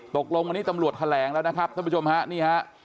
ตกลงวันนี้ตำรวจแถลงแล้วนะครับท่านผู้ชมฮะนี่ฮะ